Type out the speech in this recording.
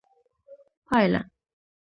پايله